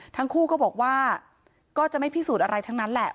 ทั้งคู่ก็บอกว่าก็จะไม่พิสูจน์อะไรทั้งนั้นแหละ